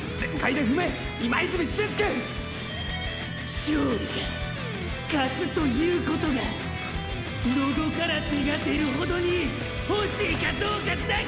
「勝利」が「勝つ」ということがノドから手が出るほどに欲しいかどうかだけや！！